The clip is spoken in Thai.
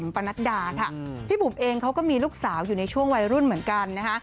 ปนัดดาค่ะพี่บุ๋มเองเขาก็มีลูกสาวอยู่ในช่วงวัยรุ่นเหมือนกันนะคะ